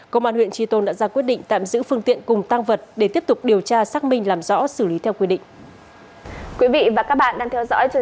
công an huyện tri tôn đã ra quyết định tạm giữ phương tiện cùng tăng vật để tiếp tục điều tra xác minh làm rõ xử lý theo quy định